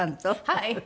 はい。